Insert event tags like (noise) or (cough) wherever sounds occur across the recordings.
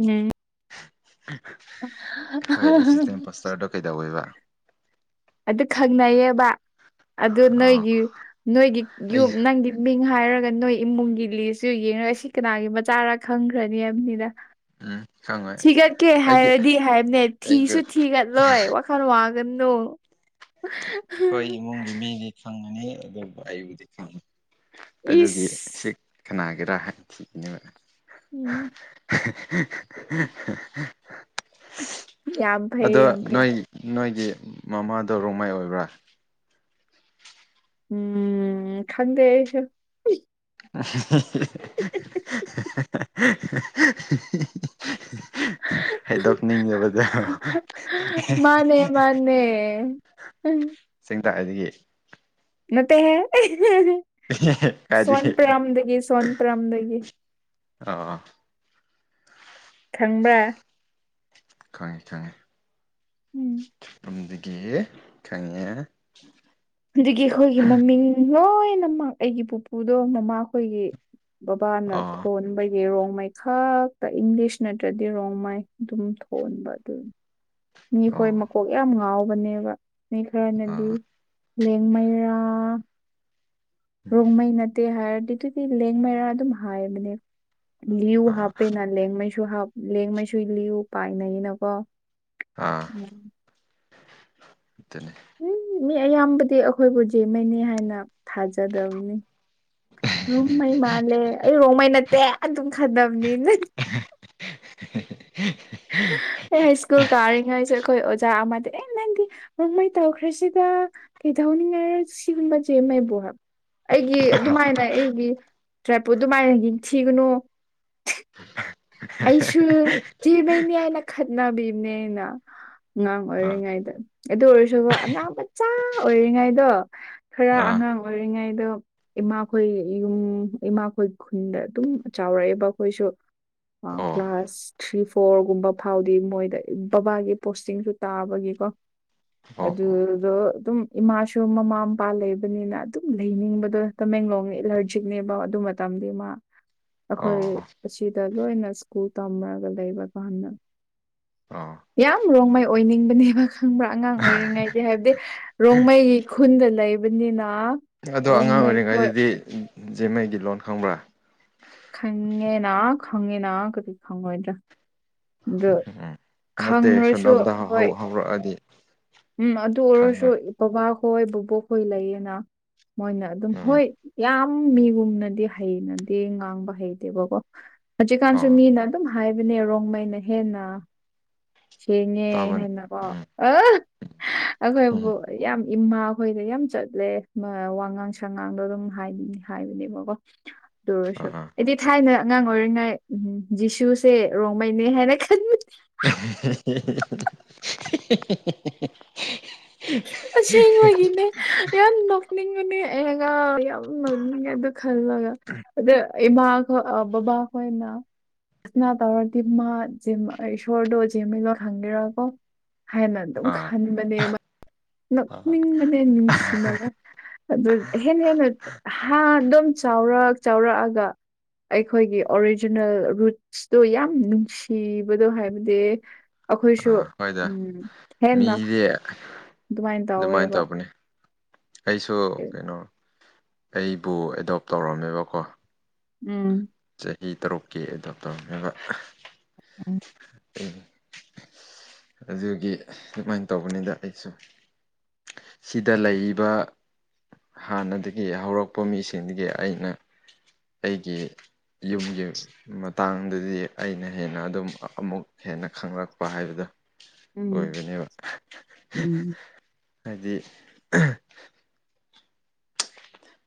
ꯎꯝ ꯍꯣꯏ ꯑꯦꯁꯤꯁꯇꯦꯟ ꯄꯣꯁꯇꯔꯗꯣ ꯀꯩꯗꯧꯋꯦꯕ ꯑꯗꯨ ꯈꯪꯅꯩꯌꯦꯕ ꯑꯗꯨ ꯑꯥ ꯅꯣꯏꯒꯤ ꯅꯣꯏꯒꯤ ꯑꯩ ꯌꯨꯝ ꯅꯪꯒꯤ ꯃꯤꯡ ꯍꯥꯏꯔꯒ ꯅꯣꯏ ꯏꯃꯨꯡꯒꯤ ꯂꯤꯁꯁꯨ ꯌꯦꯡꯉꯣ ꯑꯁꯤ ꯀꯅꯥꯒꯤ ꯃꯆꯥꯔ ꯈꯪꯈ꯭ꯔꯅꯤꯕꯅꯤꯗ ꯎꯝ ꯈꯪꯉꯣꯏ ꯊꯤꯒꯠꯀꯦ ꯑꯩꯒꯤ ꯍꯥꯏꯔꯗꯤ ꯍꯥꯏꯕꯅꯦ ꯑꯩꯒꯤ ꯊꯤꯁꯨ ꯊꯤꯒꯠꯂꯣꯏ ꯋꯥꯈꯜ ꯋꯥꯒꯅꯦ ꯎ ꯑꯩꯈꯣꯏ ꯏꯃꯨꯡꯒꯤ ꯃꯤꯗꯤ ꯈꯪꯉꯅꯤ ꯑꯗꯨꯕꯨ ꯑꯩꯕꯨꯗꯤ ꯈꯪꯉꯤ ꯑꯗꯨꯒꯤ ꯁꯤ ꯏꯁ ꯀꯅꯥꯒꯦꯔꯥꯍꯥꯛ ꯆ ꯎꯝ ꯌꯥꯝ ꯐꯩ ꯑꯗꯣ ꯌꯥꯝ ꯐꯩ ꯅꯣꯏ ꯅꯣꯏꯒꯤ ꯃꯃꯥꯗꯣ ꯔꯣꯡꯃꯩ ꯑꯣꯏꯕ꯭ꯔꯥ ꯎꯝ ꯈꯪꯗꯦ ꯑꯩꯁꯨ (unintelligible) ꯍꯥꯏꯗꯣꯛꯅꯤꯡꯗꯕꯣ ꯃꯥꯅꯦ ꯃꯥꯅꯦ ꯎꯝ ꯁꯦꯡ ꯇꯥꯛꯑꯗꯒꯤ ꯅꯠꯇꯦ ꯁꯣꯟ ꯀꯥꯏꯗꯒꯤ ꯄ꯭ꯔꯥꯝꯗꯒꯤ ꯁꯣꯟ ꯄ꯭ꯔꯥꯝꯗꯒꯤ ꯑꯥ ꯈꯪꯕ꯭ꯔꯥ ꯈꯪꯉꯤ ꯈꯪꯉꯤ ꯎꯝ ꯆꯐꯝꯗꯒꯤ ꯈꯪꯉꯦ ꯑꯗꯨꯗꯒꯤ ꯑꯩꯈꯣꯏꯒꯤ ꯃꯃꯤꯡ ꯂꯣꯏꯅꯃꯛ ꯑꯩꯒꯤ ꯄꯨꯄꯨꯗꯣ ꯃꯃꯥꯈꯣꯏꯒꯤ ꯕꯕꯥ ꯅ ꯑꯣ ꯊꯣꯟꯕꯩ ꯔꯣꯡ ꯃꯩ ꯈꯥꯛꯇ ꯏꯪꯂꯤꯁ ꯅꯠꯇ꯭ꯔꯗꯤ ꯔꯣꯡꯃꯥꯏ ꯑꯗꯨꯝ ꯊꯣꯟꯕ ꯑꯗꯨꯅꯤ ꯃꯤꯈꯣꯏ ꯑꯣ ꯃꯀꯣꯛ ꯌꯥꯝ ꯉꯥꯎꯕꯅꯦꯕ ꯃꯤ ꯈꯔꯅꯗꯤ ꯑꯥ ꯂꯦꯡꯃꯩꯔꯥ ꯎꯝ ꯔꯣꯡꯃꯩꯅ ꯍꯥꯏꯔꯗꯤ ꯑꯗꯨꯗꯤ ꯂꯦꯡ ꯃꯔꯥ ꯑꯗꯨꯝ ꯍꯥꯏꯕꯅꯦ ꯂꯨ ꯑꯥ ꯍꯥꯞꯄꯦꯅ ꯂꯦꯡ ꯂꯦꯡꯉꯩꯁꯨ ꯂꯤꯌꯨ ꯄꯥꯏꯅꯩꯅꯀꯣ ꯑꯥ ꯑꯗꯨꯅꯤ ꯎꯝ ꯃꯤ ꯑꯌꯥꯝꯕꯗꯤ ꯑꯩꯈꯣꯏꯕꯨ ꯖꯃꯩꯅꯤ ꯍꯥꯏꯅ ꯊꯥꯖꯗꯕꯅꯤ ꯔꯣꯡꯃꯩ ꯃꯥꯜꯂꯦ ꯑꯩ ꯔꯣꯡꯃꯩ ꯅꯠꯇꯦ ꯑꯗꯨꯝ ꯈꯠꯅꯕꯅꯤ (unintelligible) ꯑꯦ ꯍꯥꯏ ꯁ꯭ꯀꯨꯜ ꯇꯥꯔꯤꯉꯩꯁꯦ ꯑꯩꯈꯣꯏ ꯑꯣꯖꯥ ꯑꯃꯗꯤ ꯑꯦ ꯅꯪꯗꯤ ꯃꯣꯡꯃꯩ ꯇꯧꯈ꯭ꯔꯦꯁꯤꯗ ꯀꯩꯗꯧꯍꯅꯤ ꯁꯤꯟꯕꯁꯦ (unintelligible) ꯑꯩꯒꯤ ꯑꯗꯨꯃꯥꯏꯅ ꯑꯩꯒꯤ ꯇ꯭ꯔꯥꯏꯄꯨ ꯑꯗꯨꯃꯥꯏꯅ ꯌꯦꯡꯊꯤꯒꯅꯨ (unintelligible) ꯑꯩꯁꯨ ꯖꯤꯕꯩꯅꯦ ꯍꯥꯏꯅ ꯈꯠꯅꯕꯤꯕꯅꯦ ꯑꯩꯅ ꯑꯉꯥꯡ ꯑꯥ ꯑꯣꯏꯔꯤꯉꯩꯗꯣ ꯑꯗꯨ ꯑꯣꯏꯔꯁꯨꯕ ꯑꯉꯥꯡ ꯃꯆꯥ ꯑꯣꯏꯔꯤꯉꯩꯗꯣ ꯈꯔ ꯑꯥ ꯑꯉꯥꯡ ꯑꯣꯏꯔꯤꯉꯩꯗꯣ ꯏꯃꯥꯈꯣꯏ ꯌꯨꯝ ꯏꯃꯥꯈꯣꯏ ꯈꯨꯟꯗ ꯑꯗꯨꯝ ꯆꯥꯎꯔꯛꯑꯦꯕ ꯑꯩꯈꯣꯏꯁꯨ ꯑ ꯑꯣ ꯑꯣ ꯀ꯭ꯂꯥꯁ ꯊ꯭ꯔꯤ ꯐꯣꯔꯒꯨꯝꯕ ꯐꯥꯎꯗꯤ ꯃꯣꯏꯗ ꯕꯕꯥꯒꯤ ꯄꯣꯁꯇꯤꯡꯁꯨ ꯇꯥꯕꯒꯤꯀꯣ ꯑꯣ ꯑꯗꯨꯗꯣ ꯑꯗꯨꯝ ꯏꯃꯥꯁꯨ ꯃꯃꯥ ꯃꯄꯥ ꯂꯩꯕꯅꯤꯅ ꯑꯗꯨꯝ ꯂꯩꯅꯤꯡꯕꯗꯣ ꯇꯃꯦꯡꯂꯣꯡꯅꯤ ꯑꯦꯂꯔꯖꯤꯛꯅꯦꯕ ꯑꯗꯨ ꯃꯇꯝꯗꯤ ꯏ ꯃꯥ (inaudible) ꯑꯣ ꯑꯩꯈꯣꯏ ꯑꯣ ꯑꯁꯤꯗ ꯂꯣꯏꯅ ꯁ꯭ꯀꯨꯜ ꯇꯝꯃꯒ ꯂꯩꯕ ꯀꯥꯟꯅ ꯑꯥ ꯌꯥꯝ ꯔꯣꯡꯃꯩ ꯑꯣꯏꯅꯤꯡꯕꯅꯦꯕ ꯈꯪꯕ꯭ꯔꯥ ꯑꯉꯥꯡ ꯑꯣꯏꯔꯤꯉꯩꯒꯤ ꯍꯥꯏꯕꯗꯤ ꯔꯣꯡꯃꯩ ꯈꯨꯟꯗ ꯂꯩꯕꯅꯤꯅꯥ ꯑꯗꯣ ꯑꯉꯥꯡ ꯑꯣꯏꯔꯤꯉꯩꯗꯗꯤ ꯖꯦꯝꯃꯩꯒꯤ ꯂꯣꯟ ꯈꯪꯕ꯭ꯔꯥ ꯈꯪꯉꯦꯅ ꯈꯪꯉꯦꯅ ꯀꯗꯤ ꯈꯪꯉꯣꯏꯗ꯭ꯔꯥ ꯑꯗꯨ ꯎꯝ ꯅꯠꯇꯦ ꯈꯪ꯭ꯔꯁꯨ ꯁꯣꯝꯂꯣꯝꯗ ꯍꯧ ꯍꯣꯏ ꯍꯧꯔꯛꯑꯗꯤ ꯎꯝ ꯑꯗꯨ ꯑꯣꯏꯔꯁꯨ ꯈꯪꯉꯣꯏ ꯕꯕꯥꯍꯣꯏ ꯕꯣꯛꯍꯣꯏ ꯂꯩꯌꯦꯅ ꯃꯣꯏꯅ ꯑꯗꯨꯝ ꯎꯝ ꯍꯣꯏ ꯌꯥꯝ ꯈꯤꯪ ꯃꯤꯒꯨꯝꯅꯗꯤ ꯍꯩꯅꯗꯦ ꯉꯥꯡꯕ ꯍꯩꯇꯦꯕꯀꯣ ꯍꯧꯖꯤꯛꯀꯥꯟꯁꯨ ꯑꯣ ꯃꯤꯅ ꯑꯗꯨꯝ ꯍꯥꯏꯕꯅꯦ ꯔꯣꯡꯃꯩꯅ ꯍꯦꯟꯅ ꯁꯦꯡꯉꯦ ꯇꯥꯕ ꯍꯥꯏꯅꯀꯣ ꯎꯝ ꯑꯥ ꯎꯝ ꯑꯩꯈꯣꯏꯕꯨ ꯌꯥꯝ ꯏꯃꯥꯈꯣꯏꯗ ꯌꯥꯝ ꯆꯠꯂꯦ ꯋꯥꯉꯥꯡ ꯁꯉꯥꯡꯗꯣ ꯑꯗꯨꯝ ꯍꯥꯏꯅꯤꯡꯉ ꯍꯥꯏꯕꯅꯦꯕꯀꯣ ꯑꯥ ꯑꯥ ꯑꯩꯗꯤ ꯊꯥꯏꯅ ꯑꯉꯥꯡ ꯑꯣꯏꯔꯤꯉꯥꯏ ꯎꯝ ꯖꯤꯁꯨꯁꯦ ꯔꯣꯡꯃꯩꯅꯦ ꯍꯥꯏꯅ ꯈꯟꯕꯅꯦ (unintelligible) ꯑꯁꯦꯡꯕꯒꯤꯅꯦ ꯌꯥꯝ ꯅꯣꯛꯅꯤꯡꯕꯅꯦ ꯑꯩ ꯑꯉꯥꯡ ꯑꯣꯏꯔꯤꯉꯩ ꯅꯤꯡꯉꯦ ꯑꯗꯨ ꯈꯜꯂꯒ ꯑꯗ ꯏꯃꯥ ꯈ ꯕꯕꯥ ꯈꯣꯏꯅ ꯑꯁꯅꯥ ꯇꯧꯔꯗꯤ ꯃꯥ ꯏꯁꯣꯔꯗꯣ ꯖꯦꯃꯦꯜꯂꯣ ꯊꯪꯒꯦꯔꯀꯣ ꯍꯥꯏꯅ ꯑꯗꯨꯝ ꯈꯟꯕꯅꯦꯕ ꯑꯥ ꯅꯛꯅꯤꯡꯕꯅꯦ ꯅꯨꯡꯁꯤꯕꯅ ꯑꯗꯨ ꯍꯦꯟꯅ ꯍꯦꯟꯅ ꯍꯥ ꯑꯗꯨꯝ ꯆꯥꯎꯔ ꯆꯥꯎꯔꯛꯑꯒ ꯑꯩꯈꯣꯏꯒꯤ ꯑꯣꯔꯤꯖꯤꯅꯦꯜ ꯔꯨꯠꯁꯇꯨ ꯌꯥꯝ ꯅꯨꯡꯁꯤꯕꯗꯣ ꯍꯥꯏꯕꯗꯤ ꯑꯩꯈꯣꯏꯁꯨ ꯎꯝ ꯍꯦꯟꯅ ꯇꯦ ꯑꯗꯨꯃꯥꯏꯅ ꯇꯧꯋꯦꯕ ꯑꯩꯁꯨ ꯀꯩꯅꯣ ꯑꯩꯕꯨ ꯑꯦꯗꯣꯞ ꯇꯧꯔꯝꯃꯦꯕꯀꯣ ꯎꯝ ꯆꯍꯤ ꯇꯔꯨꯛꯀꯤ ꯑꯗꯨꯗꯣ ꯇꯧꯅꯕ ꯎꯝ ꯑꯗꯨꯒꯤ ꯑꯗꯨꯃꯥꯏꯅ ꯇꯧꯕꯅꯤꯗ ꯑꯩꯁꯨ ꯁꯤꯗ ꯂꯩꯔꯤꯕ ꯍꯥꯟꯅꯗꯒꯤ ꯍꯧꯔꯛꯄ ꯃꯤꯁꯤꯡꯗꯒꯤ ꯑꯩꯅ ꯑꯩꯒꯤ ꯌꯨꯝꯒꯤ ꯃꯇꯥꯡꯗꯗꯤ ꯑꯩꯅ ꯍꯦꯟꯅ ꯑꯗꯨꯝ ꯑꯃꯨꯛ ꯍꯦꯟꯅ ꯈꯪꯂꯛꯄ ꯍꯥꯏꯕꯗ ꯎꯝ ꯑꯣꯏꯕꯅꯦꯕ ꯎꯝ ꯍꯥꯏꯗꯤ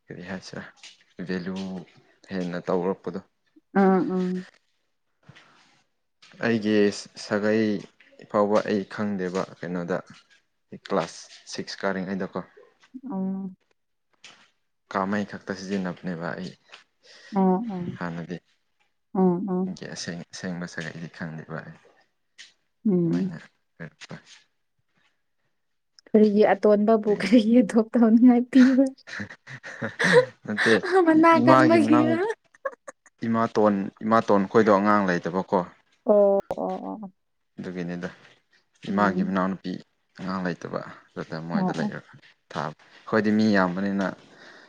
ꯀꯔꯤ ꯍꯥꯏꯁꯤꯔꯦ ꯚꯦꯂꯨ ꯍꯦꯟꯅ ꯇꯧꯔꯛꯄꯗꯣ ꯑꯥ ꯎꯝ (unintelligible) ꯑꯩꯒꯤ ꯁꯥꯒꯩ ꯐꯥꯎꯕ ꯑꯩ ꯈꯪꯗꯦꯕ ꯀꯩꯅꯣꯗ ꯑꯩ ꯀ꯭ꯂꯥꯁ ꯁꯤꯛꯁ ꯀꯥꯔꯤꯉꯩꯗꯀꯣ ꯑꯣ ꯀꯥꯃꯩ ꯈꯛꯇ ꯁꯤꯖꯤꯟꯅꯕꯅꯦꯕ ꯑꯩ ꯎꯝ ꯎꯝ ꯎꯝ ꯎ ꯑꯩ ꯑꯁꯦꯡ ꯑꯁꯦꯡꯕ ꯁꯒꯩ ꯑꯩꯗꯤ ꯈꯪꯗꯦꯕ ꯎꯝ ꯑꯗꯨꯃꯥꯏꯅꯔꯛꯄ ꯀꯔꯤꯒꯤ ꯑꯇꯣꯟꯕꯕꯨ ꯀꯔꯤ ꯌꯦꯊꯣꯛ ꯇꯧꯅꯤꯡꯉꯥꯏ ꯄꯤꯕ ꯅꯠꯇꯦ ꯃꯅꯥ ꯏꯃꯥꯒꯤ ꯃꯅꯥ ꯀꯟꯕꯒꯤꯔ ꯏꯃꯥꯇꯣꯟ ꯏꯃꯥꯇꯣꯟ ꯈꯣꯏꯗꯣ ꯑꯉꯥꯡ ꯂꯩꯗꯕꯀꯣ ꯑꯣ ꯑꯣ ꯑꯣ ꯑꯗꯨꯒꯤꯅꯤꯗ ꯏꯃꯥꯒꯤ ꯎꯝ ꯃꯅꯥꯎꯅꯨꯄꯤ ꯑꯉꯥꯡ ꯂꯩꯇꯕ ꯑꯗꯨꯗ ꯑꯣ ꯃꯣꯏꯗ ꯑꯣ ꯂꯩꯈꯛꯅꯤ ꯊꯥꯕ ꯑꯩꯣꯏꯗꯤ ꯃꯤ ꯌꯥꯝꯕꯅꯤꯅ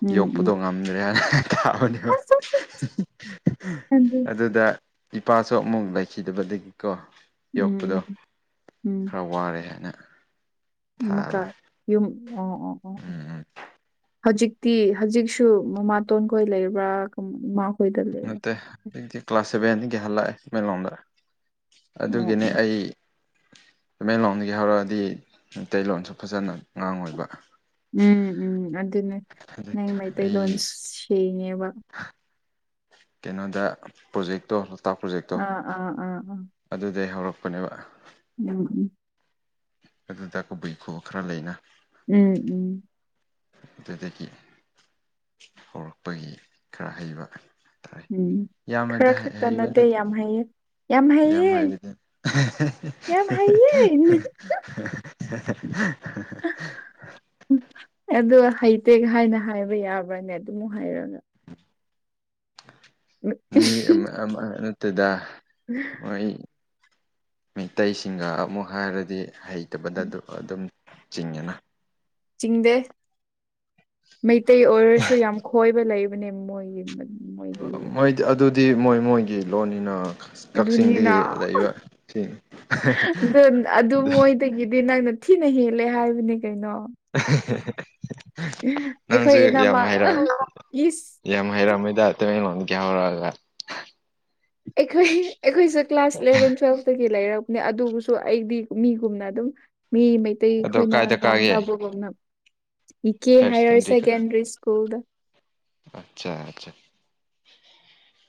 ꯎꯝ ꯌꯣꯛꯄꯗꯣ ꯎꯝ ꯉꯝꯗ꯭ꯔꯦ ꯍꯥꯏꯅ ꯊꯥꯕꯅꯤ ꯑꯁ ꯑꯁ ꯑꯗꯨ ꯑꯗꯨꯗ ꯏꯄꯥꯁꯨ ꯑꯃꯨꯛ ꯂꯩꯈꯤꯗꯕꯗꯒꯤꯀꯣ ꯌꯣꯛꯄꯗꯣ ꯎꯝ ꯎꯝ ꯈꯔ ꯋꯥꯔꯦ ꯍꯥꯏꯅ ꯃꯀꯥ ꯊꯥꯕ ꯌꯨꯝ ꯑꯣ ꯑꯣ ꯑꯣ ꯑꯣ ꯎꯝ ꯍꯧꯖꯤꯛꯇꯤ ꯍꯧꯖꯤꯛꯁꯨ ꯃꯃꯥꯇꯣꯟ ꯈꯣꯏ ꯂꯩꯕ꯭ꯔꯥ ꯏ ꯅꯠꯇꯦ ꯍꯧꯖꯤꯛꯇꯤ ꯀ꯭ꯂꯥꯁ ꯁꯦꯚꯦꯟꯗꯒꯤ ꯍꯜꯂꯛꯑꯦ ꯁꯨꯃꯦꯟ ꯂꯣꯝꯗ ꯑꯣ ꯑꯣ. ꯑꯗꯨꯒꯤꯅꯤ ꯑꯩ ꯇꯃꯦꯦꯟ ꯂꯣꯟꯗꯒꯤ ꯍꯧꯔꯛꯑꯗꯤ ꯃꯩꯇꯩꯂꯣꯟꯁꯨ ꯐꯖꯅ ꯉꯥꯡꯉꯣꯏꯕ ꯎꯝ ꯎꯝ ꯑꯗꯨꯅꯦ ꯑꯗꯩ ꯅꯪ ꯃꯩꯇꯩꯂꯣꯟ ꯑꯩ ꯁꯦꯡꯉꯦꯕ ꯀꯩꯅꯣꯗ ꯄ꯭ꯔꯣꯖꯦꯛꯇꯣ ꯂꯣꯛꯇꯥꯛ ꯄ꯭ꯔꯣꯖꯦꯛꯇꯣ ꯑꯥ ꯑꯥ ꯑꯥ ꯑꯗꯨꯗꯒꯤꯩ ꯍꯧꯔꯛꯄꯅꯦꯕ ꯎ ꯑꯗꯨꯗ ꯀꯕꯩ ꯈꯨ ꯈꯔ ꯂꯩꯅ ꯎꯝ ꯎꯝ ꯑꯗꯨꯗꯒꯤ ꯍꯧꯔꯛꯄꯒꯤ ꯈꯔ ꯍꯩꯕ ꯎꯝ ꯌꯥꯝꯅꯗꯤ ꯈꯔ ꯈꯛꯇ ꯍꯩꯕ ꯅꯠꯇꯦ ꯌꯥꯝ ꯍꯩꯌꯦ ꯌꯥꯝ ꯍꯥꯏꯕꯗꯤ ꯌꯥꯝ ꯍꯩꯌꯦ (unintelligible) ꯑ ꯍꯩꯇꯦꯛ ꯍꯥꯏꯅ ꯍꯥꯏꯕ ꯌꯥꯕ꯭ꯔꯅꯦ ꯑꯗꯨꯝꯨꯛ ꯍꯥꯏꯔꯅ ꯃꯤ ꯑꯃ ꯑꯃ ꯅꯠꯇꯗ ꯎꯝ ꯃꯣꯏ ꯃꯤꯇꯩꯩꯁꯤꯡꯒ ꯑꯃꯨꯛ ꯍꯥꯏꯔꯗꯤ ꯍꯩꯇꯕꯗ ꯑꯗꯨꯝ ꯆꯤꯡꯅ ꯆꯤꯡꯗꯦ ꯃꯩꯇꯩ ꯑꯣꯏꯔꯁꯨ ꯌꯥꯝ ꯈꯣꯏꯕ ꯂꯩꯕꯅꯦ ꯃꯣꯏꯒꯤ ꯃꯣꯏꯒꯤ ꯃꯣꯏꯗꯤ ꯑꯗꯨꯗꯤ ꯃꯣꯏ ꯃꯣꯏꯒꯤ ꯂꯣꯟꯅꯤꯅ ꯑꯗꯨꯅꯤꯅ ꯀꯛꯆꯤꯡꯗꯒꯤ ꯂꯩꯕ ꯁꯤꯅꯤ ꯇꯒꯤꯗꯤ ꯅꯪꯅ ꯊꯤꯅ ꯍꯦꯜꯂꯦ ꯍꯥꯏꯕꯅꯦ ꯀꯩꯅꯣ ꯅꯪꯁꯨ ꯑꯩꯈꯣꯏ ꯌꯥꯝ ꯏꯅꯝꯃ ꯍꯥꯏꯔ ꯏꯁ ꯌꯥꯝ ꯍꯩꯔꯝꯩꯗꯇꯩꯅꯣꯟꯒ ꯌꯥꯎꯔꯣꯂ ꯑꯩꯈꯣꯏ ꯑꯩꯈꯣꯏꯁꯨ ꯀ꯭ꯂꯥꯁ ꯏꯂꯚꯦꯟ ꯇꯨꯋꯦꯜꯐꯇꯒꯤ ꯂꯩꯔꯕ ꯑꯗꯨꯕꯨꯁꯨ ꯑꯩꯗꯤ ꯃꯤꯒꯨꯝꯅ ꯑꯗꯨꯝ ꯃꯤ ꯃꯩꯇꯩ ꯑꯗꯣ ꯈꯈꯣꯏꯅ ꯀꯥꯏꯗ ꯀꯥꯒꯦ ꯉꯥꯡꯅꯕꯒꯨꯝꯅ ꯏ ꯀꯦ ꯍꯔ ꯁꯦꯀꯦꯟꯗꯔꯤ ꯁ꯭ꯀꯨꯜꯗ ꯑꯆꯥ ꯑꯆꯥ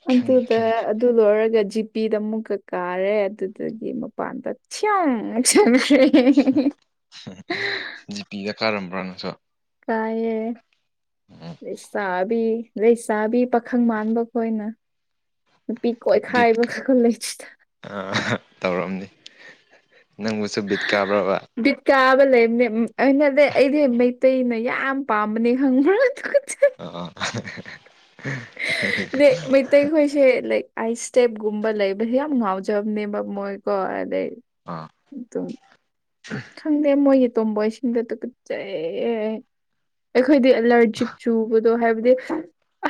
ꯑꯗ ꯑꯗꯨ ꯂꯣꯏꯔꯒ ꯖꯤꯄꯤꯗ ꯑꯃꯨꯛꯀ ꯀꯥꯔꯦ ꯑꯗꯨꯗꯒꯤ ꯃꯄꯥꯟꯗꯛꯁꯛ ꯁꯪꯈ꯭ꯔꯦ ꯖꯤꯄꯤꯗ ꯀꯥꯔꯝꯕ꯭ꯔꯥꯅꯁꯨ ꯀꯥꯏꯌꯦꯦ ꯂꯩꯁꯥꯕꯤ ꯂꯩꯁꯥꯕꯤ ꯄꯥꯈꯪ ꯃꯥꯟꯕ ꯈꯣꯏꯅ ꯅꯨꯄꯤ ꯀꯣꯏꯈꯥꯏꯕ ꯀꯥꯈꯜ ꯂꯩꯁꯤꯗ ꯑ ꯇꯧꯔꯝꯅꯤ ꯅꯪꯕꯨꯁꯨ ꯕꯤꯠ ꯀꯥꯕ꯭ꯔꯕ ꯕꯤꯠ ꯀꯥꯕ ꯂꯩꯕꯅꯦ ꯑꯩꯅꯗꯤ ꯑꯩꯗꯤ ꯃꯩꯇꯩꯅ ꯌꯥꯝ ꯄꯥꯝꯕꯅꯦ ꯈꯪꯕ꯭ꯔ ꯑꯗꯨ ꯑ ꯑ ꯃ ꯑꯇꯩꯈꯣꯏꯁꯦ ꯂꯥꯏꯛ ꯑꯥꯏꯁ ꯏꯁꯇꯦꯞꯀꯨꯝꯕ ꯂꯩꯕꯁꯦ ꯌꯥꯝ ꯉꯥꯎꯖꯕꯅꯦꯕ ꯃꯣꯏꯀꯣ ꯑꯗꯩ ꯑꯥ ꯑꯗꯨꯝ ꯈꯪꯗꯦ ꯃꯣꯏꯒꯤ ꯇꯣꯝꯕꯣꯏꯁꯤꯡꯗ ꯑꯗꯨ ꯀꯠꯆꯩ ꯑꯩꯈꯣꯏꯗꯤ ꯑꯦꯂꯔꯖꯤꯛ ꯆꯨꯕꯗꯣ ꯍꯥꯏꯕꯗꯤ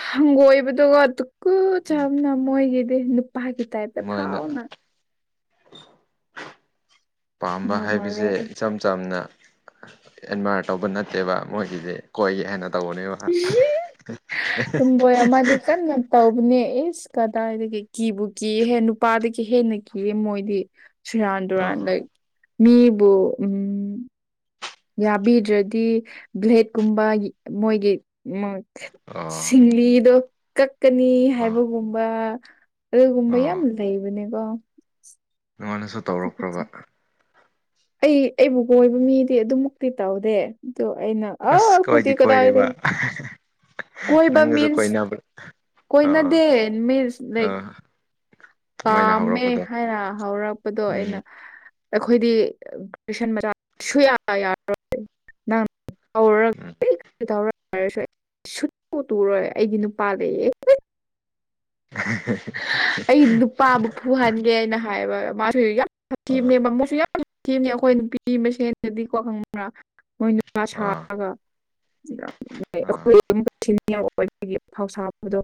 ꯍꯪꯒꯣꯏꯕꯗꯨꯒ ꯇꯨ ꯀꯨ ꯆꯥꯕꯅ ꯃꯣꯏꯒꯤꯗꯤ ꯅꯨꯄꯥꯒꯤ ꯇꯥꯏꯞꯇ ꯃꫭꯏꯅ ꯐꯥꯎꯅ ꯄꯥꯝꯕ ꯍꯥꯏꯕꯁꯦ ꯉꯝꯃꯔꯣꯏ ꯑꯩ ꯏꯆꯝ ꯆꯝꯅ ꯑꯦꯟꯃꯥꯏꯌꯔ ꯇꯧꯕ ꯅꯠꯇꯦꯕ ꯃꯣꯏꯒꯤꯗꯤ ꯀꯣꯏꯒꯦ ꯍꯥꯏꯅ ꯇꯧꯕꯅꯦꯕ ꯇꯣꯝꯕꫭꯏ ꯑꯃꯗꯤ ꯀꯥꯟꯅ ꯇꯧꯕꯅꯦ ꯑꯦꯁ ꯀꯗꯥꯏꯗꯒꯤ ꯀꯤꯕꯨ ꯀꯤꯍꯦ ꯅꯨꯄꯥꯗꯒꯤ ꯍꯦꯟꯅ ꯀꯤꯌꯦ ꯃꯣꯏꯗꯤ ꯁꯤꯔꯥꯟ ꯗꯨꯨꯔꯥꯟ ꯑꯥ ꯂꯥꯏꯛ ꯃꯤꯕꯨ ꯎꯝ ꯌꯥꯕꯤꯗ꯭ꯔꯗꯤ ꯕ꯭ꯂꯦꯠꯀꯨꯝꯕ ꯃꯣꯏꯒꯤ ꯑꯥ ꯁꯤꯡꯂꯤꯗꯣ ꯀꯛꯀꯅꯤ ꯑꯥ ꯍꯥꯏꯕꯒꯨꯝꯕ ꯑꯗꯨꯒꯨꯝꯕ ꯌꯥꯝ ꯑꯣ ꯂꯩꯕꯅꯦꯀꯣ ꯅꯨꯉꯥꯟꯅꯁꯨ ꯇꯨꯒꯨꯠꯆꯩ ꯑꯩ ꯑꯩꯕꯨ ꯀꯣꯏꯕ ꯃꯤꯗꯤ ꯑꯗꯨꯃꯨꯛꯇꯤ ꯇꯧꯗꯦ ꯑꯗꯨ ꯑꯩꯅ ꯑꯁ ꯑꯥ ꯈꯣꯏꯗꯤ ꯀꯣꯏꯗꯤ ꯀꯗꯥ ꯀꯣꯏꯔꯦꯕ ꯀꯣꯏꯕ ꯅꯪꯒꯁꯨ ꯃꯤꯟꯁ ꯀꯣꯏꯅꯕ꯭ꯔꯥ ꯑꯥ ꯀꯣꯏꯅꯗꯦ ꯃꯤꯟꯁ ꯂꯥꯏꯛ ꯑꯥ ꯃꯣꯏꯅ ꯄꯥꯝꯃꯦ ꯍꯧꯔꯛꯄꯗꯣ ꯍꯥꯏꯅ ꯍꯧꯔꯛꯄꯗꯣ ꯑꯩꯅ ꯎꯝ ꯑꯩꯈꯣꯏꯗꯤ ꯒ꯭ꯔꯦꯖꯁꯟ ꯃꯆꯥ ꯁꯨꯌꯥ ꯌꯥꯔꫭꯏ ꯅꯪ ꯇꯧꯔꯛ ꯎꯝ ꯇꯧꯔꯛ ꯍꯥꯏꯔꯁꯨ ꯁꯨꯠꯇꯨ ꯇꯨꯔꯣꯏ ꯑꯩꯗꯤ ꯅꯨꯄꯥ ꯂꯩꯌꯦ (unintelligible) ꯑꯩ ꯅꯨꯄꯥꯕꯨ ꯐꯨꯍꯟꯒꯦꯅ ꯍꯥꯏꯕ ꯃꯥꯁꯨ ꯌꯥꯝ ꯑ ꯁꯥꯊꯤꯕꯅꯦ ꯃꯃꯣꯏꯁꯨ ꯌꯥꯝ ꯊꯤꯕꯅꯦ ꯑꯩꯈꯣꯏ ꯅꯨꯄꯤ ꯃꯁꯦꯟꯗꯗꯤꯀꯣ ꯈꯪꯕ꯭ꯔꯥ ꯃꯣꯏ ꯅꯨꯄꯥ ꯑꯥ ꯁꯥꯔꯒ (unintelligible) ꯑꯥ ꯑꯩꯈꯣꯏ ꯁꯤꯅꯤꯌꯔ ꯑꫭꯏꯕꯒꯤ ꯑꯐꯥꯎ ꯁꯥꯕꯗꯣ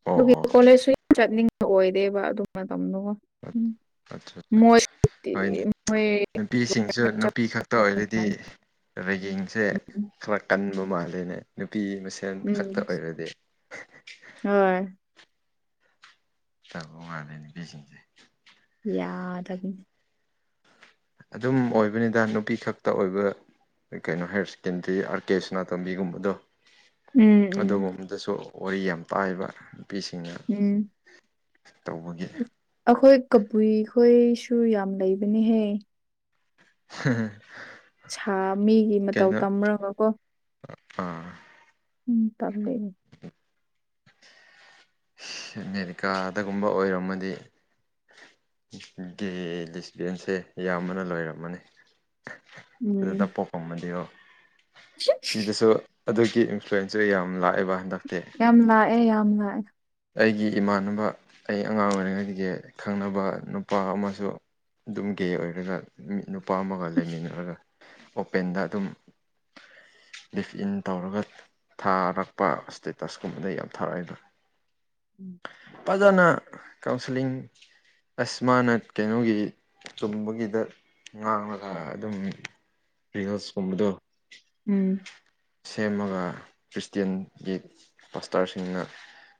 ꯑꯣ ꯑꯗꯨꯒꯤ ꯑꯣ ꯀꯣꯂꯦꯖꯁꯨ ꯌꯥꯝ ꯆꯠꯅꯤꯡꯕ ꯑꯣꯏꯗꯦꯕ ꯑꯗꯨ ꯃꯇꯝꯗꫭꯀꫭ ꯑꯠ ꯑꯠ ꯍꯣꯏꯅꯦ ꯃꯣꯏ ꯅꯨꯄꯤꯁꯤꯡꯁꯨ ꯅꯨꯄꯤꯈꯛ ꯇ ꯑꯣꯏꯔꯗꯤ ꯔꯦꯒꯤꯡꯁꯦ ꯈꯔ ꯀꯟꯕ ꯃꯥꯜꯂꯦꯅꯦ ꯅꯨꯄꯤ ꯃꯁꯦꯟ ꯈꯛꯇ ꯎꯝ ꯑꯣꯏꯔꯗꯤ ꯍꫭꯏ ꯇꯥꯕꯨ ꯃꯟꯕꯅꯦ ꯅꯨꯄꯤꯁꯤꯡꯁꯦ ꯌꯥꯗꯕꯤꯅꯤ ꯑꯗꯨꯝ ꯑꯣꯏꯕꯅꯤꯗ ꯅꯨꯄꯤ ꯈꯛꯇ ꯑꯣꯏꯕ ꯀꯩꯅꯣ ꯍꯥꯏꯌꯔ ꯁꯦꯀꯦꯟꯗ꯭ꯔꯤ ꯑꯥꯔ ꯀꯦ ꯁꯅꯥꯇꯣꯝꯕꯤꯒꯨꯝꯕꯗꯣ ꯎꯝ ꯎꯝ ꯑꯗꯨꯒꯨꯝꯕꯗꯁꯨ ꯋꯥꯔꯤ ꯌꯥꯝ ꯇꯥꯏꯕ ꯅꯨꯄꯤꯁꯤꯡꯅ ꯎꯝ ꯇꯧꯕꯒꯤ ꯑꯩꯈꯣꯏ ꯀꯕꯨꯏ ꯈꯣꯏꯁꯨ ꯌꯥꯝ ꯂꯩꯕꯅꯤꯍꯦ (unintelligible) ꯁꯥ ꯃꯤꯒꯤ ꯃꯇꯧ ꯀꯩꯅꯣ ꯇꯝ꯭ꯔꯒ ꯀꯣ ꯑꯥ ꯎꯝ ꯇꯝ ꯂꯩꯅꯤ ꯑꯃꯦꯔꯤꯀꯥꯗꯒꯨꯝꯕ ꯑꯣꯏꯔꯝꯃꯗꯤ ꯒꯦ ꯂꯤꯁꯕꯤꯌꯟꯁꯦ ꯑꯌꯥꯝꯕꯅ ꯂꯣꯏꯔꯝꯃꯅꯤ ꯑꯗꯨꯗ ꯎꯝ ꯄꯣꯛꯑꯝꯃꯗꯤꯀꫭ ꯁꯤꯗꯁꯨ ꯑꯗꯨꯒꯤ ꯏꯟꯐ꯭ꯂꯨꯌꯦꯟꯁꯔ ꯌꯥꯝ ꯂꯥꯛꯑꯦꯕ ꯍꯟꯗꯛꯇꯤ ꯌꯥꯝ ꯂꯥꯛꯑꯦ ꯌꯥꯝ ꯂꯥꯛꯑꯦ ꯑꯩꯒꯤ ꯏꯃꯥꯟꯅꯕ ꯑꯩ ꯑꯉꯥꯡ ꯑꯣꯏꯔꯤꯉꯩꯗꯒꯤ ꯈꯪꯅꯕ ꯅꯨꯄꯥ ꯑꯃꯁꯨ ꯑꯗꯨꯝ ꯒꯦ ꯑꯣꯏꯔꯒ ꯅꯨꯄꯥ ꯑꯃꯒ ꯂꯩꯃꯤꯟꯅꯔꯒ ꯑꯣꯄꯦꯟꯗ ꯑꯗꯨꯝ ꯂꯤꯐ ꯏꯟ ꯇꯧꯔꯒ ꯊꯥꯔꯛꯄ ꯏꯁꯇꯦꯇꯁꯀꯨꯝꯕꯗ ꯌꯥꯝ ꯊꯥꯔꯛꯏꯗ ꯎꯝ ꯐꯖꯅ ꯀꯥꯎꯟꯁꯤꯂꯤꯡ ꯑꯁ ꯃꯥꯅ ꯀꯩꯅꯣꯒꯤ ꯆꯨꯝꯕꯒꯤꯗ ꯉꯥꯡꯉꯒ ꯑꯗꯨꯝ ꯔꯤꯁꯀꯨꯝꯕꯗꯣ ꯎꯝ ꯁꯦꯝꯃꯒ ꯈ꯭ꯔꯤꯁꯇꯦꯟꯒꯤ ꯄꯥꯁꯇꯔꯁꯤꯡꯅ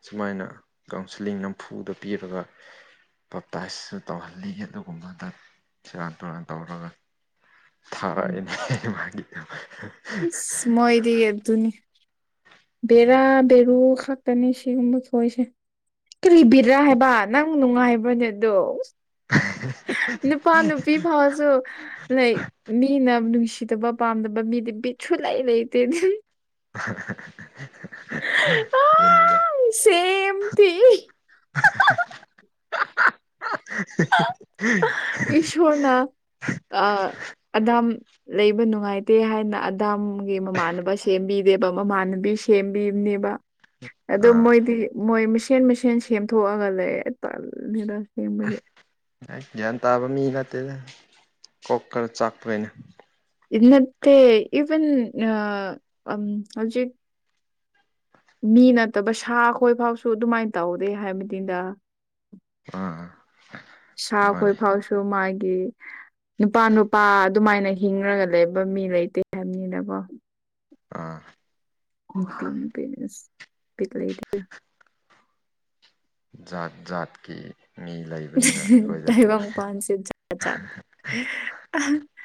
ꯁꯨꯃꯥꯏꯅ ꯀꯥꯎꯟꯁꯤꯂꯤꯡ ꯅꯝꯐꯨꯗ ꯄꯤꯔꯒ ꯇꯣꯇꯥꯏꯖꯁꯨ ꯇꯧꯍꯜꯂꯤ ꯑꯗꯨꯒꯨꯝꯕꯗ ꯁꯦꯔꯥꯟ ꯇꯨꯔꯥꯟ ꯇꯧꯔꯒ ꯊꯔꯣꯏꯅꯦ ꯃꯥꯒꯤ ꯏ ꯃꯣꯏꯗꯤ ꯌꯦ ꯑꯗꯨꯅꯤ ꯕꯦꯔꯥ ꯕꯦꯔꯨ ꯈꯥꯛꯛꯇꯅꯤ ꯁꯤꯒꯨꯝꯕ ꯊꯣꯛꯏꯁꯦ ꯀꯂꯤ ꯕꯦꯔꯥ ꯍꯥꯏꯕ ꯅꯪ ꯅꯨꯡꯉꯥꯏꯕꯅꯦ ꯑꯗꯣ (inaudible) ꯅꯨꯄꯥ ꯅꯨꯄꯤ ꯐꯥꯎꯁꯨ ꯂꯩ ꯃꯤꯅ ꯅꯨꯡꯁꯤꯗꯕ ꯄꯥꯝꯗꯕ ꯃꯤꯗꯤ ꯕꯤꯠꯁꯨ ꯂꯩ ꯂꯩꯇꯦ ꯑꯗꯨꯖꯥꯏ ꯑꯥ ꯁꯦꯝ ꯊꯤ ꯏꯁꯣꯔꯅ ꯑ ꯑꯗꯥꯝ ꯂꯩꯕ ꯅꯨꯡꯉꯥꯏꯇꯦ ꯍꯥꯏꯅ ꯑꯗꯥꯝ ꯒꯤ ꯃꯃꯥꯟꯅꯕ ꯁꯦꯝꯕꯤꯗꯦꯕ ꯃꯃꯥꯟꯅꯨꯕꯤ ꯁꯦꯝꯕꯤꯕꯅꯦꯕ ꯑꯗꯨ ꯑꯥ ꯃꯣꯏꯗꯤ ꯃꯣꯏ ꯃꯁꯦꯟ ꯃꯁꯦꯟ ꯁꯦꯝꯊꯣꯛꯑꯒ ꯂꯩ ꯇꯜꯜꯂꯤꯗ ꯍ ꯃ ꯒ꯭ꯌꯥꯟ ꯇꯥꯕ ꯃꯤ ꯅꯇꯦꯗ ꯀꯣꯛ ꯈꯔ ꯆꯥꯛꯇꯣꯏꯅꯦ ꯏꯠꯇ ꯏꯕꯟ ꯑ ꯑ ꯍꯧꯖꯤꯠ (inaudible) ꯃꯤ ꯅꯠꯇꯕ ꯁꯥ ꯈꯣꯏ ꯐꯥꯎꯁꯨ ꯑꯗꯨꯃꯥꯏꯅ ꯇꯧꯗꯦ ꯍꯥꯏꯕꯗꯤꯤꯟꯗ ꯑꯥ ꯁꯥꯥꯛ ꯍꯣꯏ ꯃꯥꯅꯦ ꯐꯥꯎꯁꯨꯣ ꯃꯥꯒꯤꯦ ꯅꯨꯄꯥ ꯅꯨꯄꯥ ꯑꯗꯨꯃꯥꯏꯅ ꯍꯤꯡꯉꯒ ꯂꯩꯕ ꯃꯤ ꯂꯩꯇꯦ ꯍꯥꯏꯕꯅꯤꯅꯀꯣ ꯑꯥ ꯑꯣꯅꯤ ꯄꯔ ꯄꯤ ꯂꯩꯗ ꯖꯥꯠ ꯖꯥꯠꯀꯤ ꯃꯤ ꯂꯩꯕꯅꯤꯅ ꯑꯩꯈꯣꯏꯗꯗꯤ ꯇꯥꯏꯕ ꯄꯥꯟꯁꯤꯦ ꯆ ꯆꯠ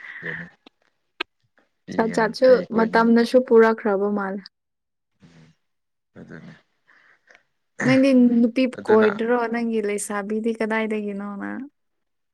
ꯑꯗꯨꯅꯤ ꯆꯠ ꯄꯤꯒꯅꯨ ꯆꯥꯠꯁꯨ ꯄꯤ ꯀꯣꯏꯅꯕ ꯃꯇꯝꯅꯁꯨ ꯄꯨꯔꯛꯈ꯭ꯔꯕꯣ ꯃꯥꯜ ꯎꯝ ꯐꯖꯅꯤ ꯅꯪꯗꯤ ꯅꯨꯄꯤ ꯀꯣꯏꯗ꯭ꯔꯣ ꯅꯪꯒꯤ ꯂꯩꯁꯥꯕꯤꯗꯤ ꯀꯗꯥꯏꯗꯒꯤꯅꯣꯅ